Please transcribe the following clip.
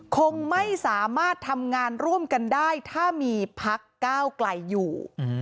คงไม่สามารถทำงานร่วมกันได้ถ้ามีพักก้าวไกลอยู่